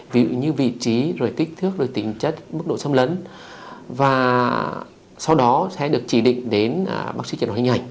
ví dụ như vị trí rồi tích thước rồi tính chất mức độ xâm lấn và sau đó sẽ được chỉ định đến bác sĩ triển hóa hình ảnh